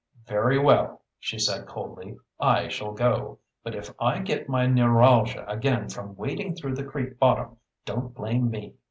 "Very well," she said coldly; "I shall go. But if I get my neuralgia again from wading through the creek bottom don't blame me!"